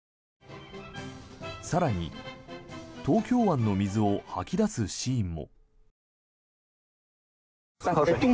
更に、東京湾の水を吐き出すシーンも。